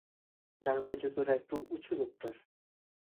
ডান পায়ের জুতোটা একটু উঁচু লোকটার।